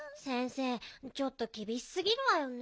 ちょっときびしすぎるわよね。